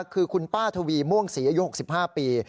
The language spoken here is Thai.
คือคุณป้าทวีม่วงศรีอายุ๖๕ปี